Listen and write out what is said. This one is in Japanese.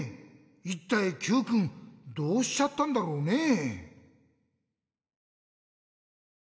いったいＱくんどうしちゃったんだろうねぇ？